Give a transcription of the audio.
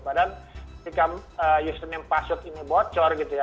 padahal ketika username password ini bocor gitu ya